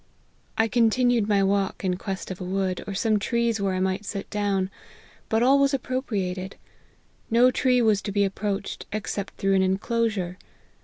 " I continued my walk in quest of a wood, or some trees where I might sit down ; but all was appropriated : no tree was to be approached except through an enclosure.